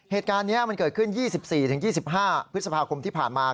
เหตุการณ์นี้มันเกิดขึ้น๒๔๒๕พฤษภาคมที่ผ่านมา